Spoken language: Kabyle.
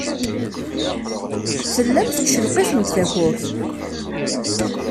Tellam tettcelqifem-d takurt.